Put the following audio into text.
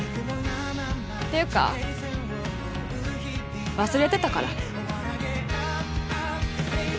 っていうか忘れてたから。